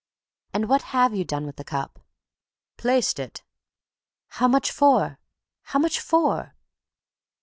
"And what have you done with the cup?" "Placed it!" "How much for? How much for?"